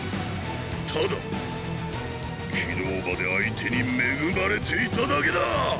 ただ昨日まで相手に恵まれていただけだ！！